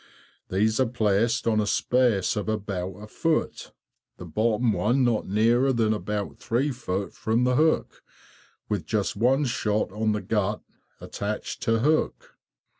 These are placed on a space of about a foot, the bottom one not nearer than about three feet from the hook, with just one shot on the gut attached to hook.